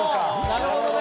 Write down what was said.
なるほどね。